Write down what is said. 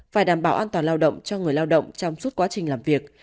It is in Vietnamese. phải đảm bảo an toàn lao động cho người lao động trong suốt quá trình làm việc